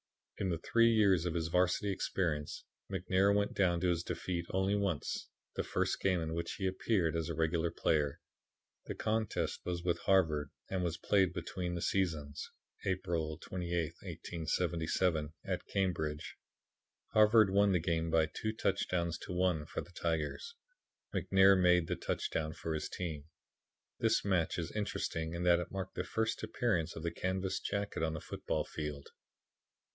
In the three years of his varsity experience McNair went down to defeat only once, the first game in which he appeared as a regular player. The contest was with Harvard and was played between seasons April 28th, 1877 at Cambridge. Harvard won the game by 2 touchdowns to 1 for the Tigers. McNair made the touchdown for his team. This match is interesting in that it marked the first appearance of the canvas jacket on the football field.